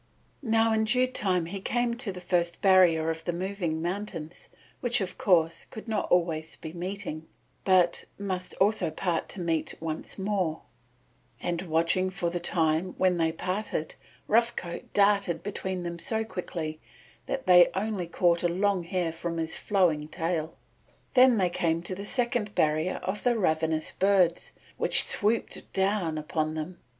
Now in due time he came to the first barrier of the moving mountains, which, of course, could not always be meeting, but must also part to meet once more; and watching for the time when they parted, Rough Coat darted between them so quickly that they only caught a long hair from his flowing tail. Then they came to the second barrier of the ravenous birds, which swooped down upon them.